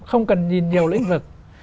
không cần nhìn nhiều lĩnh vực